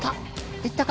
行ったか？